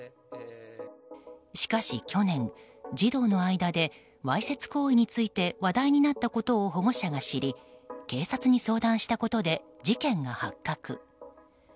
しかし去年、児童の間でわいせつ行為について話題になったことを保護者が知り警察に相談したことで事件が発覚。